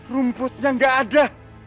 rumputnya nggak ada